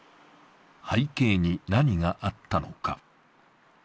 背景に何があったのか。